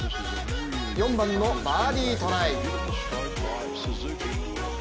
４番のバーディートライ。